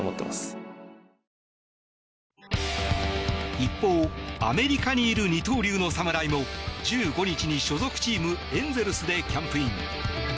一方、アメリカにいる二刀流の侍も１５日に所属チーム、エンゼルスでキャンプイン。